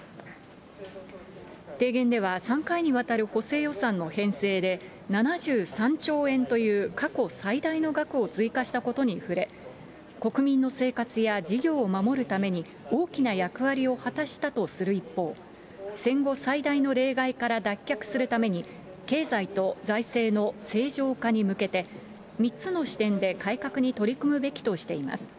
提言では３回にわたる補正予算の編成で、７３兆円という過去最大の額を追加したことに触れ、国民の生活や事業を守るために、大きな役割を果たしたとする一方、戦後最大の例外から脱却するために、経済と財政の正常化に向けて、３つの視点で改革に取り組むべきとしています。